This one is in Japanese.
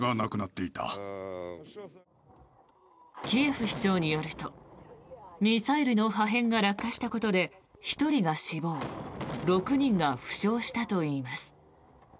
キエフ市長によるとミサイルの破片が落下したことで１人が死亡６人が負傷したといいます。